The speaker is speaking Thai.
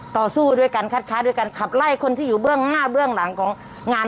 ต่อสู้ด้วยการคัดค้าด้วยการขับไล่คนที่อยู่เบื้องหน้าเบื้องหลังของงาน